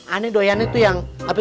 aneh doi aneh tuh yang